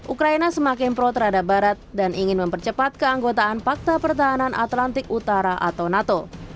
ukraina semakin pro terhadap barat dan ingin mempercepat keanggotaan fakta pertahanan atlantik utara atau nato